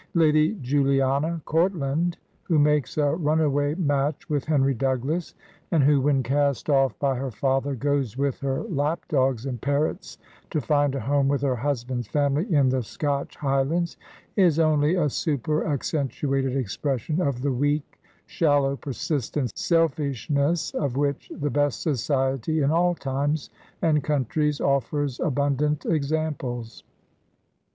Lady Juliana Courtland, who makes a runaway match with Henry Douglas, and who, when cast ofif by her father, goes with her lapdogs and parrots to find a home with her husband's family in the Scotch Highlands, is only a superaccentuated expression of the weak, shallow, persistent selfishness of which the best society in all times and countries offers abundant examples.